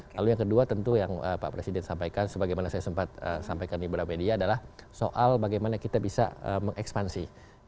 lalu yang kedua tentu yang pak presiden sampaikan sebagaimana saya sempat sampaikan di beberapa media adalah soal bagaimana kita bisa mengekspansi